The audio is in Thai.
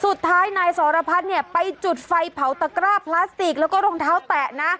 สุดท้ายนายสรพัฒน์เนี่ยไปจุดไฟเผาตะกร้าพลาสติกแล้วก็รองเท้าแตะนะ